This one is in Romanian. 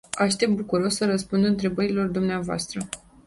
Aștept bucuros să răspund întrebărilor dvs.